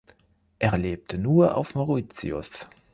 Er lebte nur auf Mauritius.